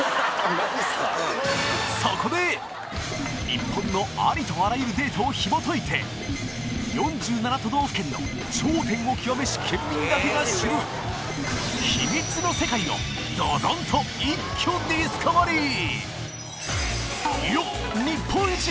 日本のありとあらゆるデータを紐解いて４７都道府県の頂点を極めし県民だけが知るヒミツの世界をどどんと一挙ディスカバリー